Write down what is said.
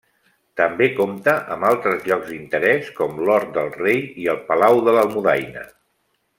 També compta amb altres llocs d'interès com l'Hort del Rei i el Palau de l'Almudaina.